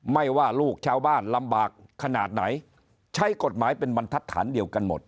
ไม่ว่าลูกชาวบ้านลำบากขนาดไหนใช้กฎหมายเป็นบรรทัศน์เดียวกันหมด